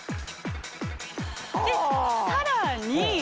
でさらに。